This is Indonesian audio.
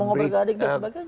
mengobrak ke adik dan sebagainya